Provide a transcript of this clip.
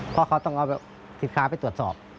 เพราะเขาต้องเอาสินค้าไปตรวจสอบ